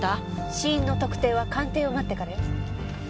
死因の特定は鑑定を待ってからよ。